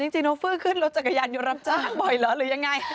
จริงโฟ่ขึ้นรถจักรยานอยู่รับจ้างบ่อยหรอหรือยังไง